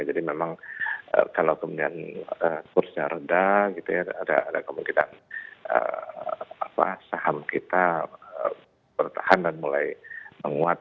jadi memang kalau kemudian kursi yang reda gitu ya ada kemungkinan saham kita bertahan dan mulai menguat